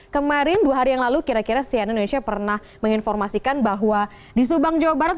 kemarin dua hari yang lalu kira kira sian indonesia pernah menginformasikan bahwa di subang jawa barat